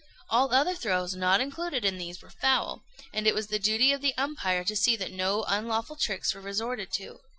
All other throws not included in these were foul, and it was the duty of the umpire to see that no unlawful tricks were resorted to.